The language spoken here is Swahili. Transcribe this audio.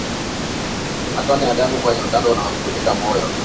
Matone ya damu kwenye utando unaofunika moyo